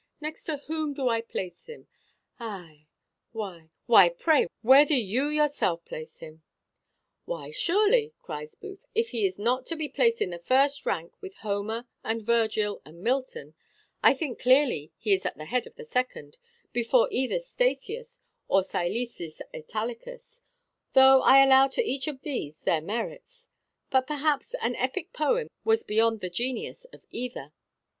next to whom do I place him? Ay! why why, pray, where do you yourself place him?" "Why, surely," cries Booth, "if he is not to be placed in the first rank with Homer, and Virgil, and Milton, I think clearly he is at the head of the second, before either Statius or Silius Italicus though I allow to each of these their merits; but, perhaps, an epic poem was beyond the genius of either.